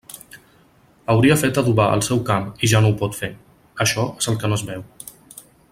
Hauria fet adobar el seu camp i ja no ho pot fer, això és el que no es veu.